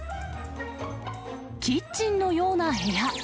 キッチンのような部屋。